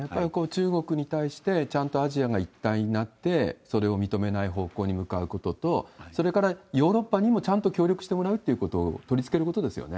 中国に対してちゃんとアジアが一体になって、それを認めない方向に向かうことと、それからヨーロッパにもちゃんと協力してもらうということを取り付けることですよね。